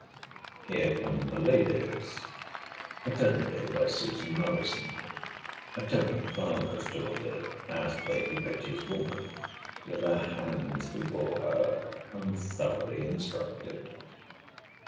Here come the ladies—attended by Susan Morrison, a tenant farmer's daughter, as Lady Betty's woman; with her hands before her, and thoroughly instructed.